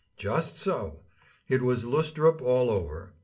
Just so! It was Lustrup all over.